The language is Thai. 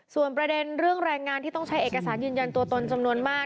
ส่วนประเด็นเรื่องแรงงานที่ต้องใช้เอกสารยืนยันตัวตนจำนวนมาก